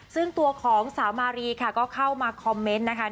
ซึ่งตัวของสาวมารีค่ะก็เข้ามาคอมเมนต์นะคะ